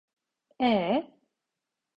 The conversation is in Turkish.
Eee?